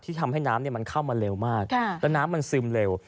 ทำให้น้ำมันเข้ามาเร็วมากแล้วน้ำมันซึมเร็ว